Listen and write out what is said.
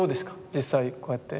実際こうやって。